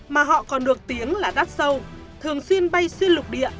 mà họ còn được tiếng là đắt sâu thường xuyên bay xuyên lục địa